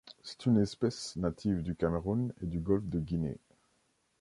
C’est une espèce native du Cameroun et du golfe de Guinée.